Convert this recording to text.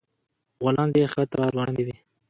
غولانځې يې ښکته راځوړندې وې